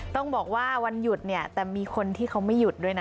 ต้องบอกว่าวันหยุดเนี่ยแต่มีคนที่เขาไม่หยุดด้วยนะ